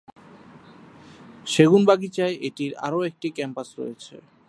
শেগুনবাগিচায় এটির আরও একটি ক্যাম্পাস রয়েছে।